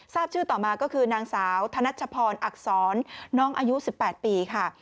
ทราบชื่อต่อมาก็คือนางสาวธนัชพรอักษรน้องอายุ๑๘ปีค่ะ